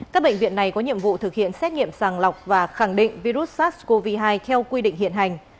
các bệnh viện này có nhiệm vụ thực hiện xét nghiệm sàng lọc và khẳng định virus sars cov hai theo quy định hiện hành